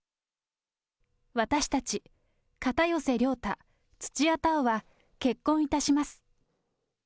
私たち、片寄涼太、土屋太鳳は、結婚いたします。